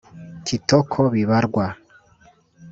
Kitoko Bibarwa